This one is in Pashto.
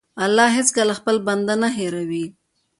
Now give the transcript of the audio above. الله هېڅکله خپل بنده نه هېروي.